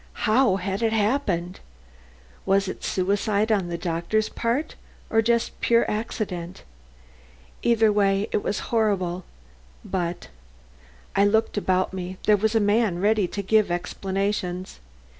How had it happened? Was it suicide on the doctor's part or just pure accident? Either way it was horrible, but I looked about me; there was a man ready to give explanations.